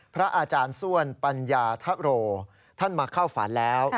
พระอาจารย์ส้วนปัญญาทะโรท่านมาเข้าฝันแล้ว